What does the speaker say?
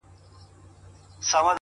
• ورور مي دی هغه دی ما خپله وژني؛